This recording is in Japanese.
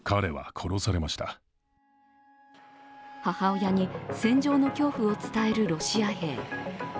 母親に戦場の恐怖を伝えるロシア兵。